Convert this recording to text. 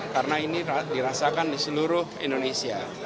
karena ini dirasakan di seluruh indonesia